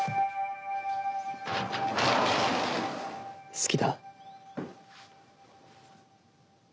好きだ。